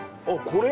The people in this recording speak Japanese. これ？